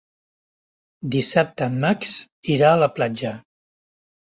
Dissabte en Max irà a la platja.